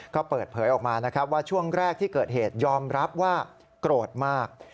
ก็เปิดเผยออกมานะครับว่าช่วงแรกที่เกิดเหตุยอมรับว่าโกรธมาก